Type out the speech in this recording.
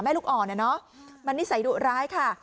ลูกอ่อนเนี่ยเนอะมันนิสัยดุร้ายค่ะ